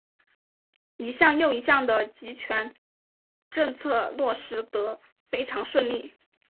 一项又一项的极权政策落实得非常顺利。